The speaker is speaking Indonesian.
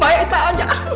banyak itu aja